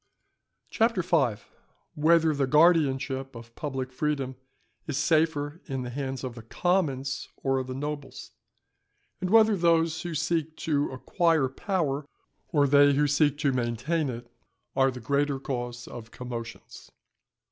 CHAPTER V.—_Whether the Guardianship of public Freedom is safer in the hands of the Commons or of the Nobles; and whether those who seek to acquire Power or they who seek to maintain it are the greater cause of Commotions.